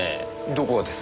どこがです？